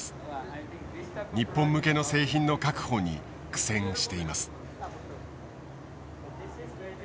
日本向けの製品の確保に苦戦しています。